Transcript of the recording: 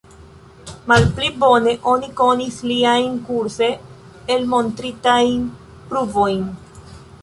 Malpli bone oni konis liajn kurse elmontritajn pruvojn.